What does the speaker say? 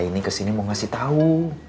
ini kesini mau ngasih tahu